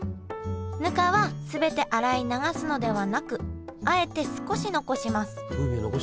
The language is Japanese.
ぬかは全て洗い流すのではなくあえて少し残します。